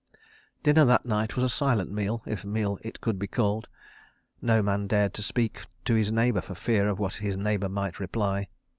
Dinner that night was a silent meal, if meal it could be called. No man dared speak to his neighbour for fear of what his neighbour might reply.